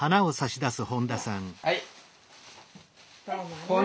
はい。